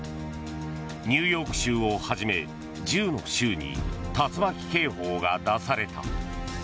ニューヨーク州をはじめ１０の州に竜巻警報が出された。